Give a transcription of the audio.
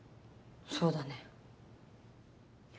そうだね。